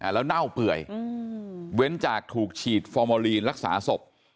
แล้วเน่าเปื่อยเว้นจากถูกฉีดฟอร์โมลีนรักษาศพ